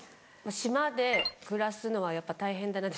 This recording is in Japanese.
島で暮らすのはやっぱ大変だなって。